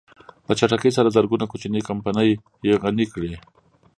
په چټکۍ سره زرګونه کوچنۍ کمپنۍ يې غني کړې.